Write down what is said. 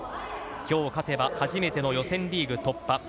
きょう勝てば初めての予選リーグ突破。